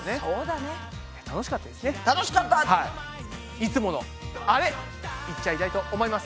いつものあれいっちゃいたいと思います！